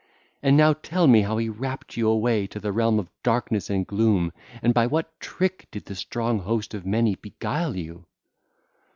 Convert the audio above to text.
And now tell me how he rapt you away to the realm of darkness and gloom, and by what trick did the strong Host of Many beguile you?